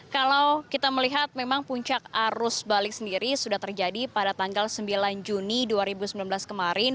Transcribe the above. kalau kita melihat memang puncak arus balik sendiri sudah terjadi pada tanggal sembilan juni dua ribu sembilan belas kemarin